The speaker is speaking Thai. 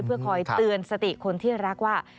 เพื่อคอยเตือนสติคนที่รักว่า